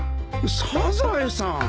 サザエさん。